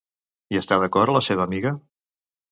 Hi està d'acord la seva amiga?